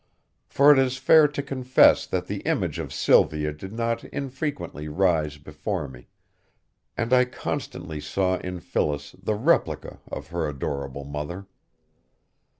For it is fair to confess that the image of Sylvia did not infrequently rise before me, and I constantly saw in Phyllis the replica of her adorable mother.